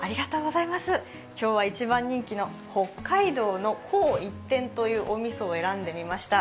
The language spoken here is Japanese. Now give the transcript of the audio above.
今日は一番人気の北海道の紅一点というみそを選んでみました。